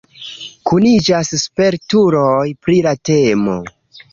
Kuniĝas spertuloj pri la temo.